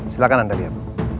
silahkan anda lihat